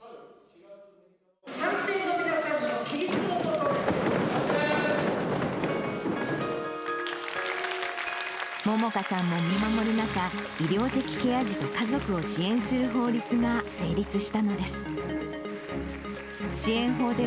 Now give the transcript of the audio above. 賛成の皆様、起立をお願いし萌々華さんも見守る中、医療的ケア児と家族を支援する法律が成立したのです。